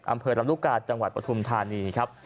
อำเภอรัมรุกาจังหวัดปทุมธานีครับ